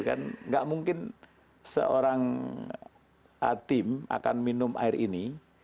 kan gitu enggak mungkin seorang tim akan minum air ini